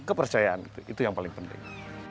kepercayaan itu yang paling penting